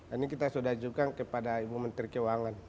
ini kita sudah ajukan kepada ibu menteri keuangan